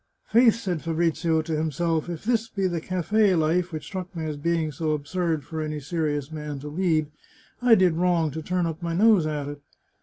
" Faith," said Fabrizio to himself, " if this be the cafe life which struck me as being so absurd for any serious man to lead, I did wrong to turn up my nose at it."